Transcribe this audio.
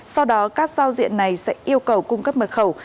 sau đó các giao diện này sẽ yêu cầu cung cấp mật khẩu